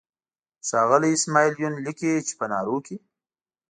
ښاغلی اسماعیل یون لیکي چې په نارو کې.